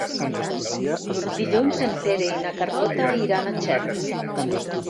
Dilluns en Pere i na Carlota iran a Xert.